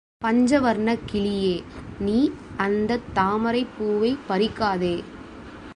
பஞ்சவர்ணக்கிளியே, நீ அந்தத் தாமரைப் பூவைப் பறிக்காதே.